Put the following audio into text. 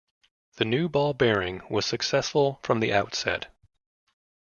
The new ball bearing was successful from the outset.